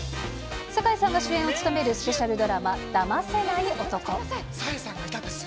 堺さんが主演を務める、スペシャルドラマ、ダマせない男。